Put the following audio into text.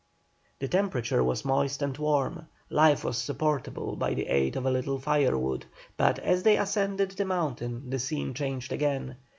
The temperature was moist and warm; life was supportable by the aid of a little firewood; but as they ascended the mountain the scene changed again.